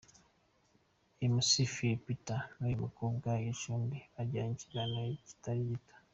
Mc Phil Peter n'uyu mukobwa i Gicumbi bagiranye i Kiganiro kitari gito.